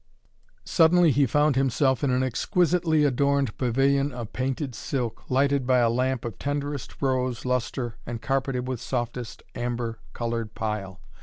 Suddenly he found himself in an exquisitely adorned pavilion of painted silk, lighted by a lamp of tenderest rose lustre and carpeted with softest amber colored pile.